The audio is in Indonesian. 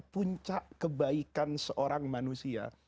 puncak kebaikan seorang manusia